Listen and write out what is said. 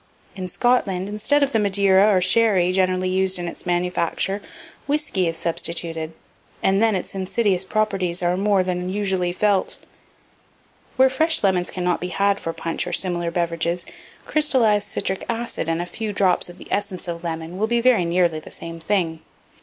In Scotland, instead of the Madeira or sherry generally used in its manufacture, whiskey is substituted, and then its insidious properties are more than usually felt. Where fresh lemons cannot be had for punch or similar beverages, crystallized citric acid and a few drops of the essence of lemon will be very nearly the same thing.